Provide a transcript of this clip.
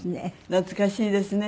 懐かしいですね。